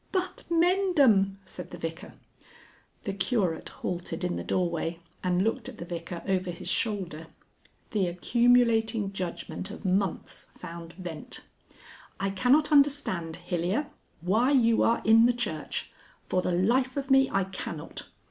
"But Mendham!" said the Vicar. The Curate halted in the doorway and looked at the Vicar over his shoulder. The accumulating judgment of months found vent. "I cannot understand, Hilyer, why you are in the Church. For the life of me I cannot.